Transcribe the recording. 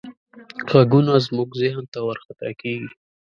غږونه زموږ ذهن ته ورخطا کېږي.